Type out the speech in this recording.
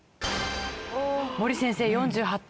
森先生４８点。